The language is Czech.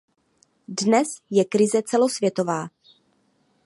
Dnes je krize celosvětová.